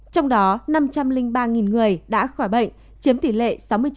trong đó năm trăm linh ba người đã khỏi bệnh chiếm tỷ lệ sáu mươi chín